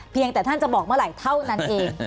แต่ท่านจะบอกเมื่อไหร่เท่านั้นเอง